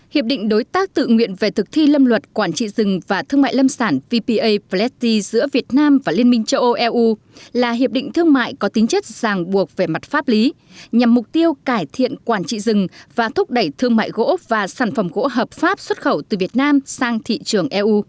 hiệp định đối tác tự nguyện về thực thi lâm luật quản trị rừng và thương mại lâm sản vpa pletty giữa việt nam và liên minh châu âu eu là hiệp định thương mại có tính chất giảng buộc về mặt pháp lý nhằm mục tiêu cải thiện quản trị rừng và thúc đẩy thương mại gỗ và sản phẩm gỗ và sản phẩm gỗ